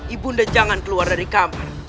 ibunda jangan keluar dari kamar